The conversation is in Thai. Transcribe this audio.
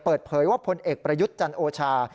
เปิดเผยว่าพลเอกประยุทธ์จันโอชา